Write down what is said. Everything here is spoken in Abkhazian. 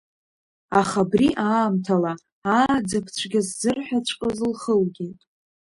Аха абри аамҭала ааӡабцәгьа ззырҳәаҵәҟьоз лхылгеит.